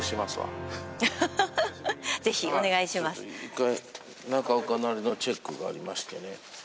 一回中岡なりのチェックがありましてね。